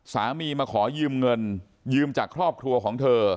มาขอยืมเงินยืมจากครอบครัวของเธอ